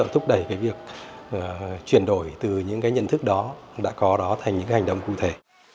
thúc đẩy việc chuyển đổi từ những nhận thức đó đã có đó thành những hành động cụ thể